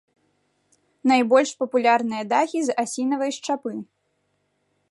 Найбольш папулярныя дахі з асінавай шчапы.